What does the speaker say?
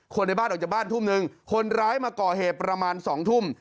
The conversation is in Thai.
ในบ้านออกจากบ้านทุ่มหนึ่งคนร้ายมาก่อเหตุประมาณ๒ทุ่ม